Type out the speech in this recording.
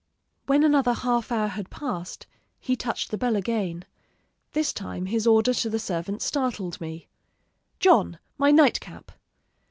"When another half hour had passed, he touched the bell again. This time his order to the servant startled me: "'John, my night cap!'